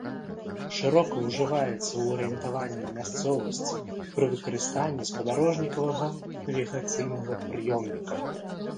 Шырока ўжываецца ў арыентаванні на мясцовасці пры выкарыстанні спадарожнікавага навігацыйнага прыёмніка.